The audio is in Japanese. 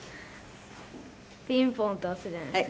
ピンポンと押すじゃないですか。